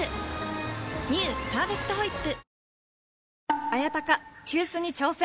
「パーフェクトホイップ」